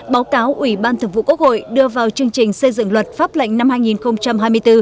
báo cáo ủy ban thực vụ quốc hội đưa vào chương trình xây dựng luật pháp lệnh năm hai nghìn hai mươi bốn